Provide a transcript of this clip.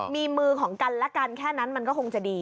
มีมือของกันและกันแค่นั้นมันก็คงจะดี